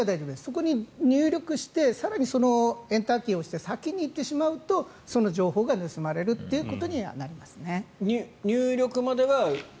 そこに入力して更にエンターキーを押して先に行ってしまうとその情報が盗まれるということになりますね。